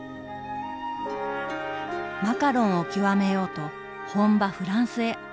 マカロンを極めようと本場フランスへ。